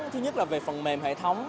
thứ nhất là về phần mềm hệ thống